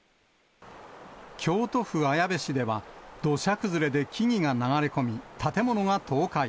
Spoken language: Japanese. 京都府綾部市では、土砂崩れで木々が流れ込み、建物が倒壊。